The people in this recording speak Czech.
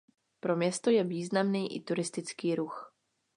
Pro město je významný i turistický ruch.